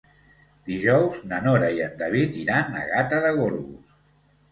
Dijous na Nora i en David iran a Gata de Gorgos.